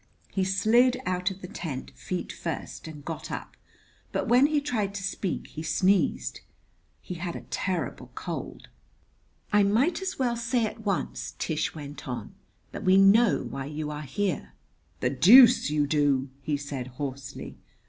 He slid out of the tent, feet first, and got up; but when he tried to speak he sneezed. He had a terrible cold. "I might as well say at once," Tish went on, "that we know why you are here " "The deuce you do!" he said hoarsely.